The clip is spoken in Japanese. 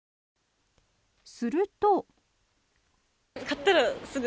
すると。